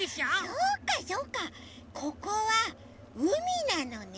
そうかそうかここはうみなのね。